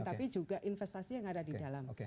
tapi juga investasi yang ada di dalam